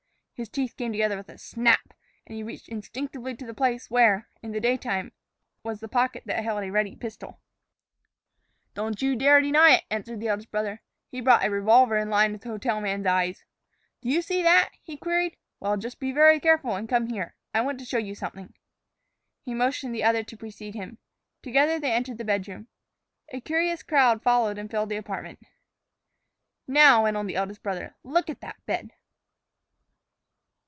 His teeth came together with a snap, and he reached instinctively to the place where, in the daytime, was the pocket that held a ready pistol. "Don't you dare deny it," answered the eldest brother. He brought a revolver in line with the hotel man's eyes. "Do you see that?" he queried. "Well, just be very careful, and come here. I want to show you something." He motioned the other to precede him. Together they entered the bedroom. A curious crowd followed and filled the apartment. "Now," went on the eldest brother, "look at that bed."